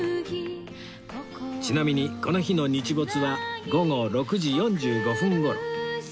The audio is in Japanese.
ちなみにこの日の日没は午後６時４５分頃